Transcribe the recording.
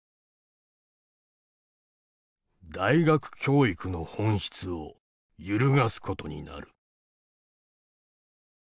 「大学教育の本質を揺るがすことになる」。